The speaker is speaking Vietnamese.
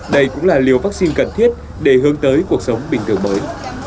đây cũng là liều vaccine cần thiết để hướng tới cuộc sống bình thường mới